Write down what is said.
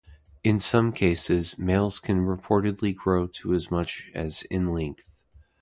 In some cases, males can reportedly grow to as much as in length.